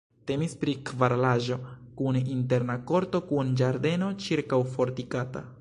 Temis pri kvaralaĵo kun interna korto kun ĝardeno ĉirkaŭfortikata.